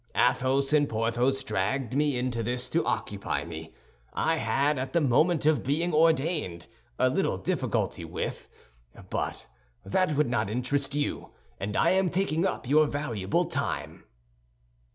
Athos and Porthos dragged me into this to occupy me. I had, at the moment of being ordained, a little difficulty with—But that would not interest you, and I am taking up your valuable time."